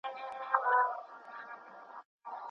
په خوږو خوبونو مست لكه مينده وو